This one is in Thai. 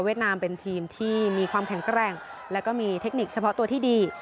นามเป็นทีมที่มีความแข็งแกร่งแล้วก็มีเทคนิคเฉพาะตัวที่ดี